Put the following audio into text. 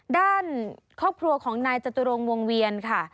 ด้านครอบครัวของนายจตุรงวงเวียนค่ะ